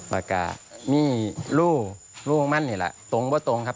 และมีรูตรงหรือกระเป๋าถูกประหบ